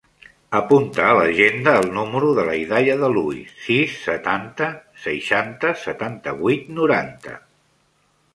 Apunta a l'agenda el número de la Hidaya De Luis: sis, setanta, seixanta, setanta-vuit, noranta.